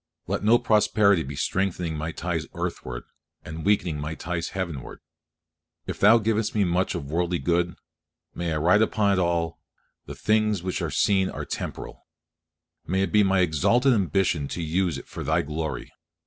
Let no prosperity be strengthening my ties earthward, and weakening my ties heavenward. If Thou givest me much of worldly good, may I write upon it all, "the things which are seen are temporal." May it be my exalted ambition to use it for Thy glory.